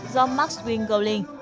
do max vinh gàu linh